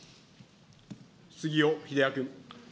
杉尾秀哉君。